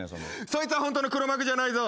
そいつはホントの黒幕じゃないぞ。